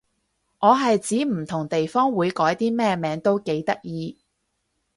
我係指唔同地方會改啲咩名都幾得意